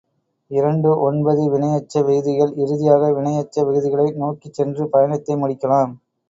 இரண்டு ஒன்பது வினையெச்ச விகுதிகள் இறுதியாக வினையெச்ச விகுதிகளை நோக்கிச் சென்று பயணத்தை முடிக்கலாம்.